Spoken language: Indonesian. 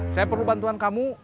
saya perlu bantuan kamu